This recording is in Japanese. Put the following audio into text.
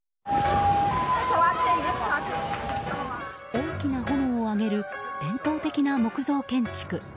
大きな炎を上げる伝統的な木造建築。